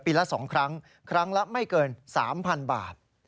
ละ๒ครั้งครั้งละไม่เกิน๓๐๐๐บาท